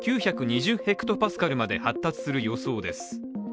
ヘクトパスカルまで発達する予想です。